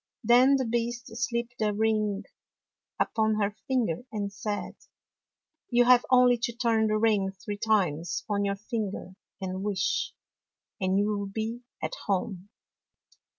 Then the Beast slipped a ring upon her finger and said, "You have only to turn the ring three times on your finger and wish, and you will be at home.